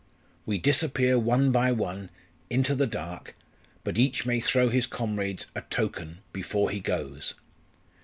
We disappear one by one into the dark but each may throw his comrades a token before he goes.